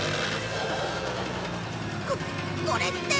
ここれって！